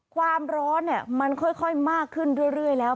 ความร้อนมันค่อยมากขึ้นเรื่อยแล้ว